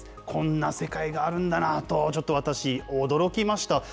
こんな世界があるんだなと、ちょっと私、驚きました。